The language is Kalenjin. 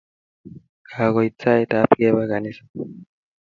Kakoit sait ap kepa kanisa